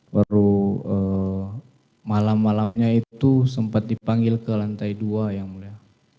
baru malam malamnya itu sempat dipanggil ke lantai dua yang mulia